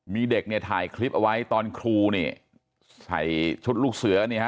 มีเด็กเนี่ยถ่ายคลิปเอาไว้ตอนครูนี่ใส่ชุดลูกเสือนี่ฮะ